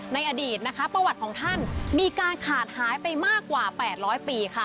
ในอดีตนะคะประวัติของท่านมีการขาดหายไปมากกว่า๘๐๐ปีค่ะ